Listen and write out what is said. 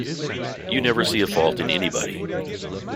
You never see a fault in anybody.